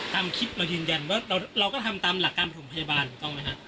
ตามคลิปเรายืนยันว่าเราก็ทำตามหลักการประถมพยาบาลถูกต้องไหมฮะ